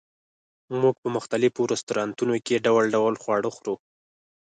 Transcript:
موږ په مختلفو رستورانتونو کې ډول ډول خواړه خورو